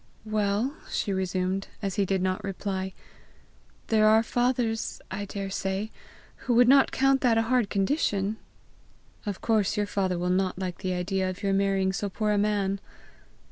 "Well," she resumed, as he did not reply, "there are fathers, I daresay, who would not count that a hard condition!" "Of course your father will not like the idea of your marrying so poor a man!"